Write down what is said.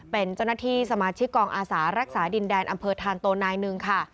เป็นเจ้าหน้าที่สมาชิกกองอาสารักษาดินแดนอำเภอธานโตนายหนึ่งค่ะ